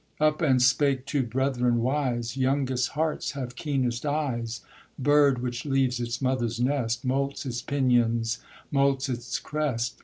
Up and spake two brethren wise, 'Youngest hearts have keenest eyes; Bird which leaves its mother's nest, Moults its pinions, moults its crest.